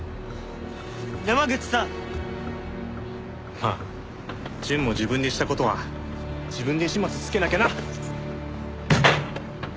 まあ淳も自分でした事は自分で始末つけなきゃな。